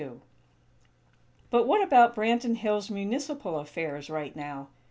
XXII But what about Branton Hills' municipal affairs, right now?